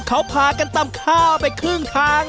เขาพากันตำข้าวไปครึ่งทาง